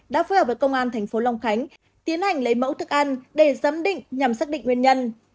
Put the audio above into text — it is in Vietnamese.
đã phối hợp với công an tp hcm tiến hành lấy mẫu thức ăn để giám định nhằm xác định nguyên nhân